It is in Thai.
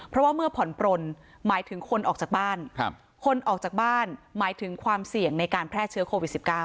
เพราะว่าเมื่อผ่อนปลนหมายถึงคนออกจากบ้านคนออกจากบ้านหมายถึงความเสี่ยงในการแพร่เชื้อโควิด๑๙